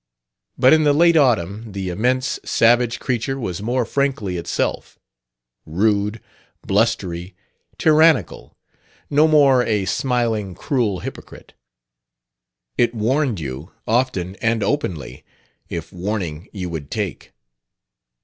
But in the late autumn the immense, savage creature was more frankly itself: rude, blustery, tyrannical, no more a smiling, cruel hypocrite. It warned you, often and openly, if warning you would take.